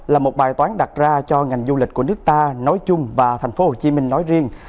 là một bài toán đặt ra cho ngành du lịch của nước ta nói chung và tp hcm nói riêng